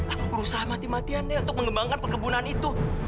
aku berusaha mati matian deh untuk mengembangkan perkebunan itu